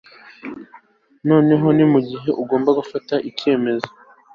Noneho ni mugihe ugomba gufata icyemezo